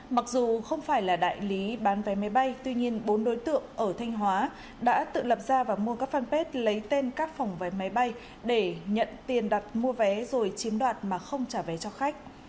mặc dù không phải là đại lý bán vé máy bay tuy nhiên bốn đối tượng ở thanh hóa đã tự lập ra và mua các fanpage lấy tên các phòng vé máy bay để nhận tiền đặt mua vé rồi chiếm đoạt mà không trả vé cho khách